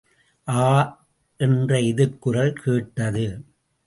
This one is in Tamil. ஆ! என்ற எதிர்க்குரல் கேட்டது.